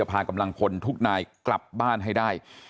พากำลังพลทุกนายกลับบ้านให้ได้